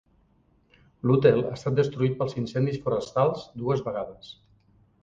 L'hotel ha estat destruït pels incendis forestals dues vegades.